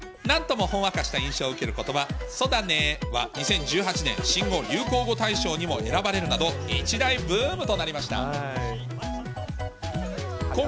なんともほんわかした印象を受けることば、そだねーは、２０１８年新語・流行語大賞にも選ばれるなど、一大ブームとなりました。